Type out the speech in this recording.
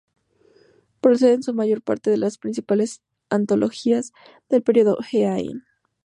Procede en su mayor parte de las principales antologías del período Heian.